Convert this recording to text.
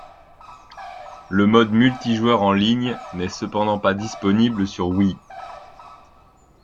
Le mode multijoueur en ligne n'est cependant pas disponible sur Wii.